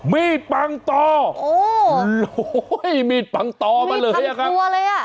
มีดปังต่อโอ้ยมีดปังต่อมาเลยมีดทำกลัวเลยอ่ะ